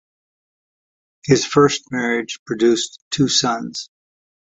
His first marriage produced two sons.